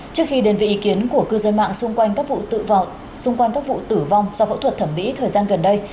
trước khi đến với ý kiến của cư dân mạng xung quanh các vụ tử vong do phẫu thuật thẩm mỹ thời gian gần đây